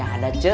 gak ada c